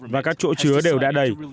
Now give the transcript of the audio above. và các chỗ chứa đều đã đầy